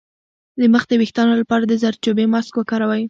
د مخ د ويښتانو لپاره د زردچوبې ماسک وکاروئ